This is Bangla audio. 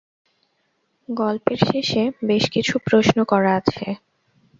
গল্পের শেষে বেশ কিছু প্রশ্ন করা আছে।